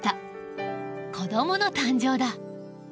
子どもの誕生だ。